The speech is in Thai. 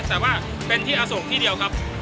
แต่ว่าเป็นที่อโศกที่เดียวครับ